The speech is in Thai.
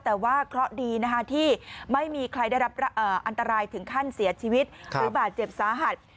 แต่ว่าเคราะห์ดีนะคะที่ไม่มีใครได้รับอันตรายถึงขั้นเสียชีวิตหรือบาดเจ็บสาหัส